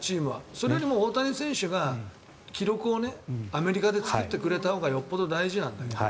それよりも大谷選手が、記録をアメリカで作ってくれたほうがよほど大事なんだけど。